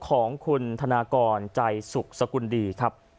ของคุณธนากรใจสุขสกุลดีครับ